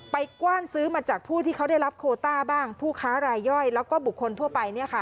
กว้านซื้อมาจากผู้ที่เขาได้รับโคต้าบ้างผู้ค้ารายย่อยแล้วก็บุคคลทั่วไปเนี่ยค่ะ